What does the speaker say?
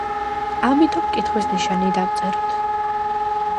ამიტომ კითხვის ნიშანი დავწეროთ.